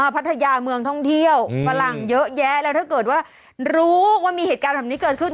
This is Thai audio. พัทยาเมืองท่องเที่ยวฝรั่งเยอะแยะแล้วถ้าเกิดว่ารู้ว่ามีเหตุการณ์แบบนี้เกิดขึ้น